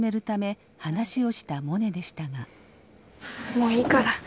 もういいから。